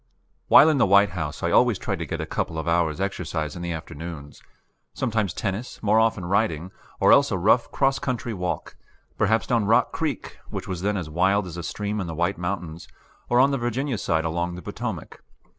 While in the White House I always tried to get a couple of hours' exercise in the afternoons sometimes tennis, more often riding, or else a rough cross country walk, perhaps down Rock Creek, which was then as wild as a stream in the White Mountains, or on the Virginia side along the Potomac.